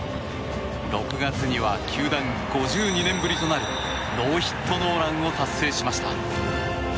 ６月には球団５２年ぶりとなるノーヒットノーランを達成しました。